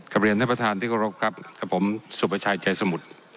เรียนท่านประธานที่เคารพครับกับผมสุประชัยใจสมุทร